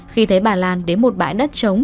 khi thấy bà lan đến một bãi đất trống